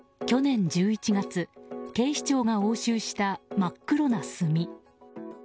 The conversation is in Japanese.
去年１１月、警視庁が押収した真っ黒な炭。